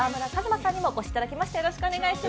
馬さんにもお越しいただきました。